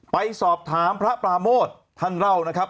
ไปสอบถามพระปราโมทท่านเล่านะครับ